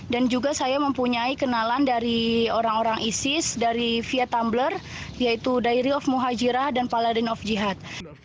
dan juga saya mempunyai kenalan dari orang orang isis dari via tumblr yaitu diary of muhajirah dan paladin of jihad